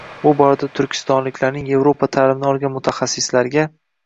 Bu borada turkistonliklarning Evropa ta`limini olgan mutaxassislarga